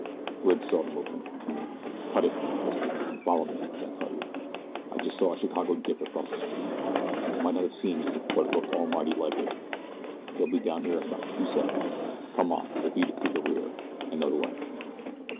Bridge saw the movement. "Cut it," he whispered, "and follow me, as I tell you. I just saw a Chicago dick across the street. He may not have seen you, but it looked almighty like it. He'll be down here in about two seconds now. Come on we'll beat it through the rear I know the way."